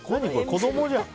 子供じゃん。